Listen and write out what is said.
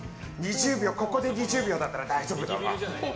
ここで２０秒だから大丈夫だわ。